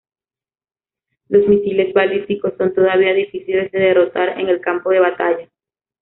Los misiles balísticos son todavía difíciles de derrotar en el campo de batalla.